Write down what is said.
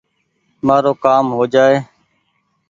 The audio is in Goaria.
مآرو ڪآم هو جآئي